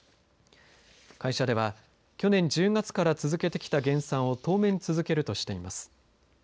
会社では去年１０月から続けてた減産を当面続けるとしています。